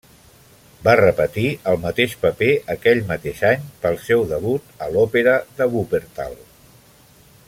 Va repetir el mateix paper aquell mateix l'any pel seu debut a l'Òpera de Wuppertal.